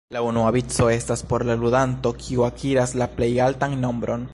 La unua vico estas por la ludanto kiu akiras la plej altan nombron.